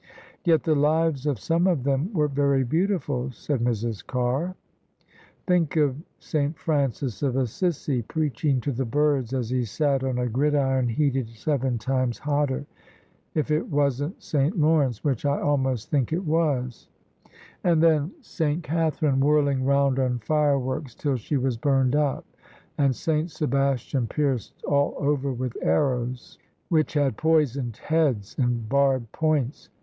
"Yet the lives of some of them were very beautiful," said Mrs. Carr; " think of S. Francis of Assisi preaching to the birds as he sat on a gridiron heated seven times hotter, if it wasn't S. Laurence, which I almost think it was; and then S. Catherine, whirling round on fireworks till she was burned up: and S. Sebastian pierced all over with arrows, which had poisoned heads and barbed points.